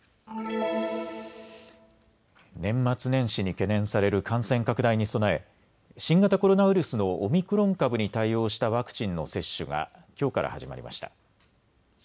年末年始に懸念される感染拡大に備え新型コロナウイルスのオミクロン株に対応したワクチンの接種がきょうから始まりました。